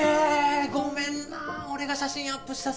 ごめんな俺が写真アップしたせいで。